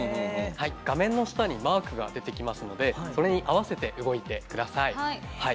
画面の下にマークが出てきますのでそれに合わせて動いてください。